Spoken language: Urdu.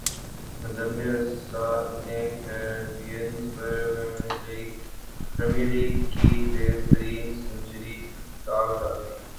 ندرے رسل نے کیربینئز پریمیر لیگ کی تیز ترین سنچری داغ ڈالی